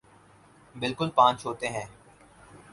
بالکل پانچ ہوتے ہیں